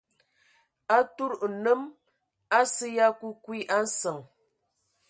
Atud nnəm asə ya kuiki a nsəŋ.